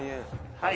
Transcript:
はい！」